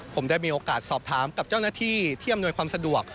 ผมได้มีโอกาสสอบถามกับเจ้าหน้าที่ที่อำนวยความสะดวก